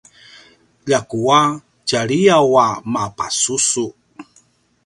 ljakua tjaliyaw a mapasusu